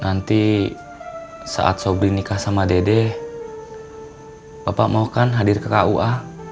nanti saat sobri nikah sama dede bapak maukan hadir ke kua